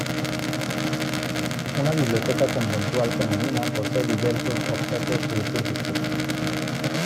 Una biblioteca conventual femenina posee diversos objetos litúrgicos.